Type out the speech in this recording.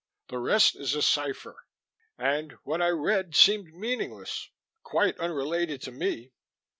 The rest is a cipher. And what I read seemed meaningless quite unrelated to me.